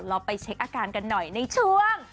เราไปเช็คอาการกันหน่อยในช่วง